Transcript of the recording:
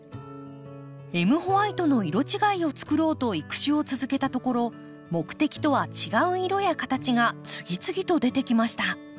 エムホワイトの色違いをつくろうと育種を続けたところ目的とは違う色や形が次々と出てきました。